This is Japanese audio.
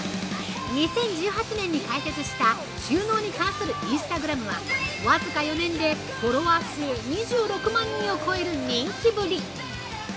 ２０１８年に開設した収納に関するインスタグラムは、フォロワー数２６万人超える人気ぶり！